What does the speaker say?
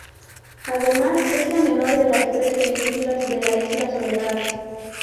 Además, es la menor de las tres penínsulas de la isla Soledad.